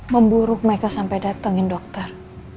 memburuk mereka sampai datengin dokter